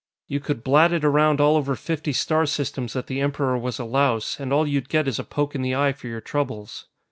"You could blat it around all over fifty star systems that the Emperor was a louse, and all you'd get is a poke in the eye for your troubles.